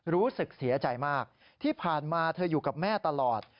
รู้สึกเสียใจมากที่ผ่านมาเธออยู่กับแม่ตลอด